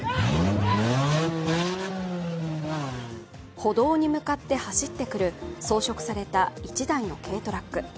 歩道に向かって走ってくる装飾された１台の軽トラック。